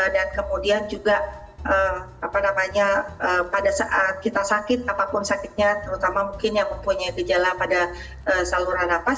dan kemudian juga pada saat kita sakit apapun sakitnya terutama mungkin yang mempunyai gejala pada saluran nafas